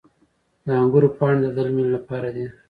د انګورو پاڼې د دلمې لپاره دي.